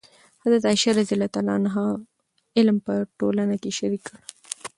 حضرت عایشه رضي الله عنها علم په ټولنه کې شریک کړ.